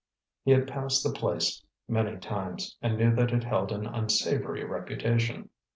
He had passed the place many times, and knew that it held an unsavory reputation.